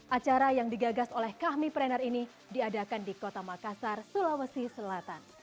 acara yang digagas oleh kami prener ini diadakan di kota makassar sulawesi selatan